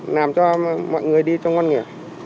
làm cho mọi người đi cho ngon nghẻ